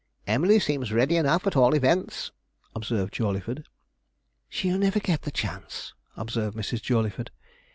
'Emily seems ready enough, at all events,' observed Jawleyford. 'She'll never get the chance,' observed Mrs. Jawleyford.